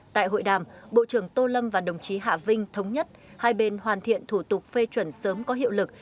tại hội đàm bộ trưởng tô lâm và đồng chí hạ vinh thống nhất hai bên hoàn thiện thủ tục phê chuẩn sớm có hiệu lực